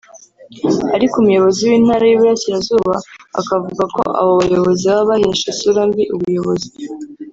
Ariko umuyobozi w’Intara y’Iburasirazuba akavuga ko abo bayobozi baba bahesha isura mbi ubuyobozi